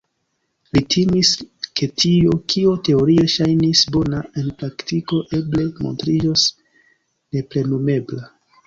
Li timis, ke tio, kio teorie ŝajnis bona, en praktiko eble montriĝos neplenumebla.